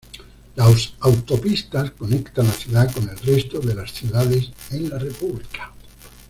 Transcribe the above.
Las autopistas conectan la ciudad con el resto de las ciudades en la república.